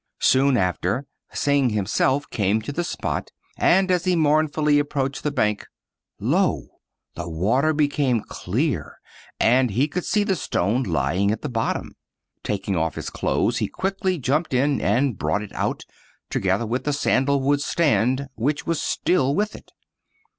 Soon after, Hsing himself came to the spot, and as he mournfully approached the bank, lol the water became clear, and he could see the stone lying at the bottom. Tak ing off his clothes he quickly jumped in and brought it out, together with the sandal wood stand which was still with it.